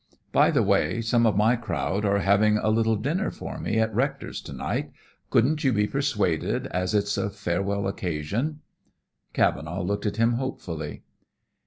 By the way, some of my crowd are giving a little dinner for me at Rector's to night. Couldn't you be persuaded, as it's a farewell occasion?" Cavenaugh looked at him hopefully.